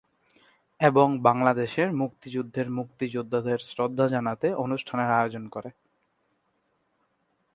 এবং বাংলাদেশের মুক্তিযুদ্ধের মুক্তিযোদ্ধাদের শ্রদ্ধা জানাতে অনুষ্ঠানের আয়োজন করে।